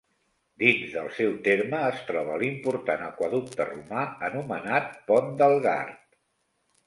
Dins del seu terme es troba l'important aqüeducte romà anomenat Pont del Gard.